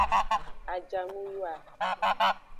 Ajanuyoa.